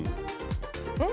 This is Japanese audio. うん？